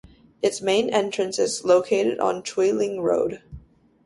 Its main entrance is located on Chui Ling Road.